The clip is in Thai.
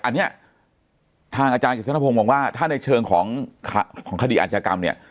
อันเนี้ยทางอาจารย์เกษตรพงษ์บอกว่าถ้าในเชิงของข้าของคดีอัญชากรรมเนี้ย